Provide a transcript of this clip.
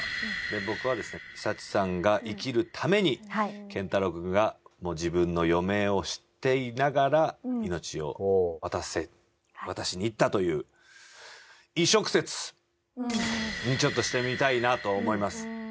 僕はですね佐知さんが生きるために健太郎くんが自分の余命を知っていながら命を渡しに行ったという移植説にちょっとしてみたいなと思います。